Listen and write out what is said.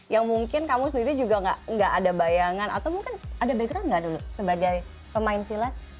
yang mungkin kamu sendiri juga nggak ada bayangan atau mungkin ada background nggak dulu sebagai pemain silat